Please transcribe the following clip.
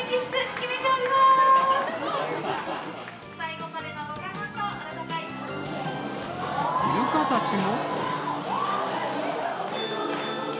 最後、イルカたちも。